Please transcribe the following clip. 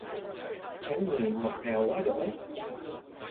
Tháng mười ngọt ngào quá đỗi